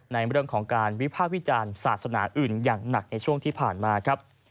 ในเรื่องของการวิพากษ์วิจารณ์ศาสนาอื่นอย่างหนักในช่วงที่ผ่านมาครับ